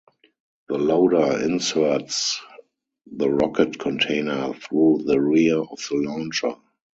The loader inserts the rocket container through the rear of the launcher.